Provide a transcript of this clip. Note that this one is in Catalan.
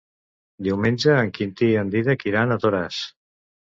Diumenge en Quintí i en Dídac iran a Toràs.